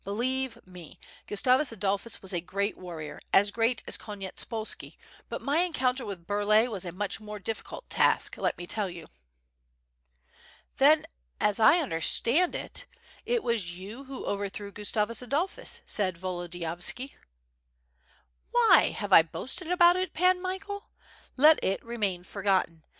Believe me, (rustavus Adolphus was a great warrior, as great as Konyetspolski, but my encounter with Burlay was a much more difficult task, let me tell you." "Then as I understand it, it was you who overthrew Gus tavus Adolphus," said Volodiyovski. "WTiy, have I boasted about it, Pan Michael? Let it re main forgotten.